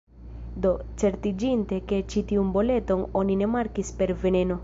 Do, certiĝinte ke ĉi tiun botelon oni ne markis per 'veneno'